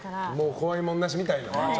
怖いもんなしみたいな。